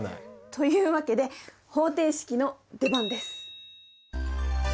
というわけで方程式の出番です。